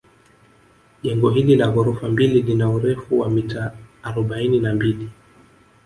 Jengo hili la ghorofa mbili lina urefu wa mita arobaini na mbili